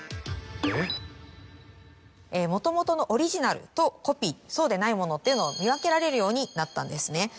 もともとのオリジナルとコピーそうでないものっていうのを見分けられるようになったんですね。